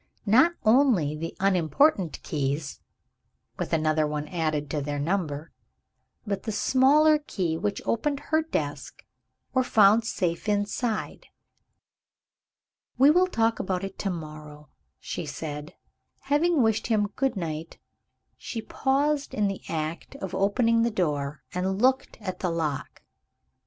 Not only the unimportant keys (with another one added to their number) but the smaller key which opened her desk were found safe inside. "We will talk about it to morrow," she said. Having wished him good night, she paused in the act of opening the door, and looked at the lock.